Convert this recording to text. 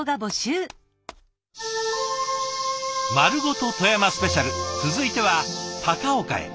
「まるごと富山スペシャル」続いては高岡へ。